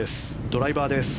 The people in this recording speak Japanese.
ドライバーです。